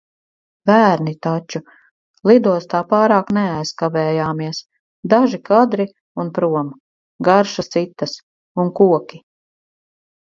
Bērni taču! Lidostā pārāk neaizkavējāmies. Daži kadri, un prom! Garšas citas. Un koki.